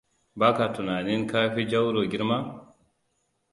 Ba ka tunanin ka fi Jauroa girma?